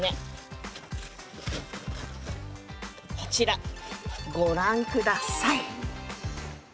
こちらご覧下さい。